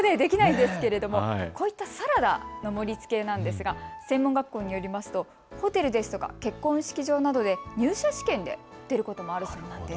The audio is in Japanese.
こういったサラダの盛りつけなんですが専門学校によりますとホテルですとか結婚式場などで入社試験で出ることもあるそうです。